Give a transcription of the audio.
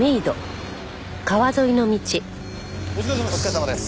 お疲れさまです。